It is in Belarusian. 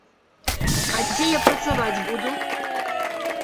А дзе я працаваць буду?